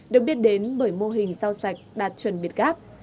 được biết đến bởi mô hình rau sạch đạt chuẩn việt gáp